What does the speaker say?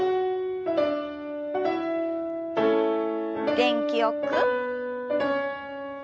元気よく。